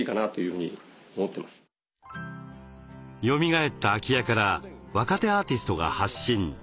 よみがえった空き家から若手アーティストが発信。